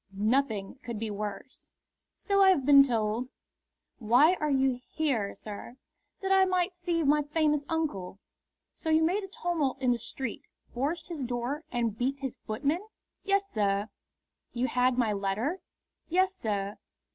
"Nothing could be worse." "So I have been told." "Why are you here, sir?" "That I might see my famous uncle." "So you made a tumult in his street, forced his door, and beat his footman?" "Yes, sir." "You had my letter?" "Yes, sir."